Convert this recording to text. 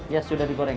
ya sudah digoreng